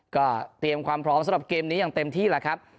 ก็เตรียมความพร้อมสำหรับเกมนี้อย่างเต็มที่แหละครับ